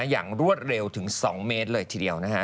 อย่างรวดเร็วถึง๒เมตรเลยทีเดียว